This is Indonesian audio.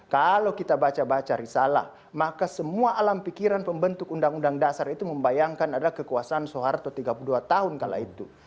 kalau kita baca baca risalah maka semua alam pikiran pembentuk undang undang dasar itu membayangkan adalah kekuasaan soeharto tiga puluh dua tahun kala itu